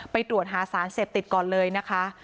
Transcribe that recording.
ตรวจหาสารเสพติดก่อนเลยนะคะ